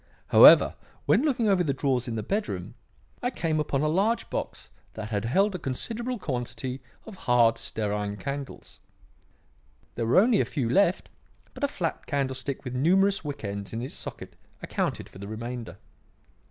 However, when looking over the drawers in the bedroom, I came upon a large box that had held a considerable quantity of hard stearine candles. There were only a few left, but a flat candlestick with numerous wick ends in its socket accounted for the remainder.